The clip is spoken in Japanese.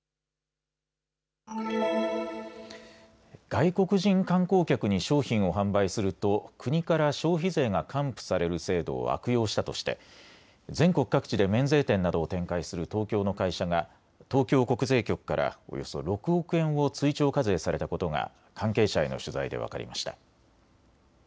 外国人観光客に商品を販売すると国から消費税が還付される制度を悪用したとして全国各地で免税店などを展開する東京の会社が東京国税局からおよそ６億円を追徴課税されたことが関係者への取材で分かりました。